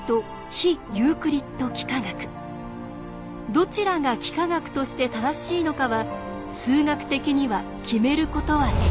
どちらが幾何学として正しいのかは数学的には決めることはできない。